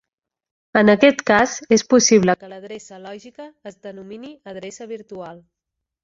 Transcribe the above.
En aquest cas, és possible que l'adreça lògica es denomini adreça virtual.